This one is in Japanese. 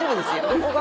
どこが？